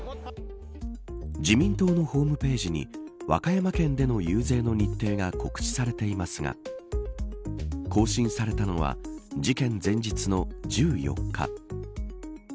自民党のホームページに和歌山県での遊説の日程が告知されていますが更新されたのは事件前日の１４日。